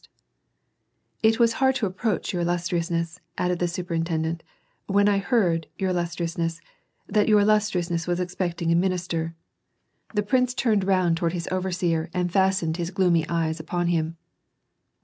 *' It was hard to approach, your illustriousness," added the superintendent, "when I heard, your illustriousness, that your illustriousness was expecting a minister "— The prince turned round toward his overseer, and fastened his gloomy eyes upon him.